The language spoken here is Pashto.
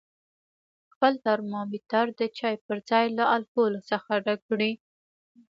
خپل ترمامتر د چای په ځای له الکولو څخه ډک کړئ.